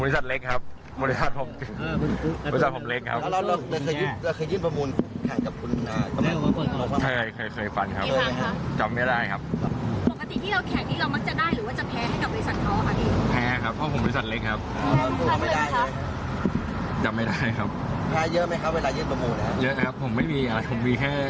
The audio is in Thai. สวดสอบทุกอย่าง